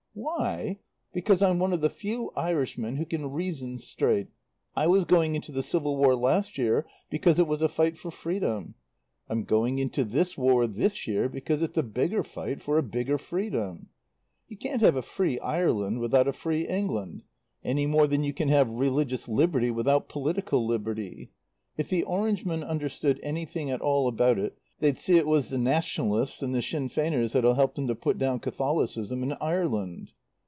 "Why? Because I'm one of the few Irishmen who can reason straight. I was going into the civil war last year because it was a fight for freedom. I'm going into this War this year because it's a bigger fight for a bigger freedom. "You can't have a free Ireland without a free England, any more than you can have religious liberty without political liberty. If the Orangemen understood anything at all about it they'd see it was the Nationalists and the Sinn Feiners that'll help them to put down Catholicism in Ireland."